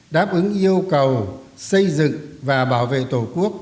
đáp ứng yêu cầu xây dựng và bảo vệ tổ quốc